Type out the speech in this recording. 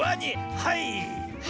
はい！